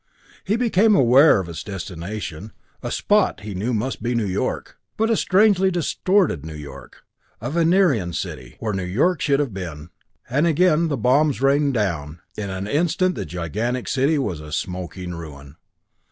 He became aware of its destination a spot he knew must be New York but a strangely distorted New York a Venerian city, where New York should have been. And again, the bombs rained down. In an instant the gigantic city was a smoking ruin.